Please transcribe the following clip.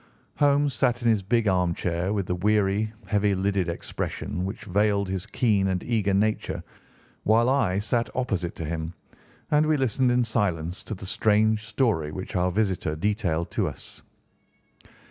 Holmes sat in his big armchair with the weary, heavy lidded expression which veiled his keen and eager nature, while I sat opposite to him, and we listened in silence to the strange story which our visitor detailed to us.